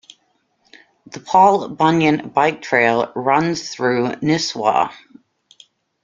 The Paul Bunyan Bike trail runs through Nisswa.